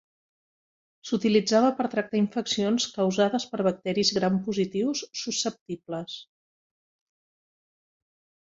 S'utilitzava per a tractar infeccions causades per bacteris gram positius susceptibles.